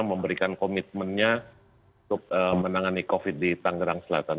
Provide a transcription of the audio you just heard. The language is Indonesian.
memberikan komitmennya untuk menangani covid sembilan belas di tanggerang selatan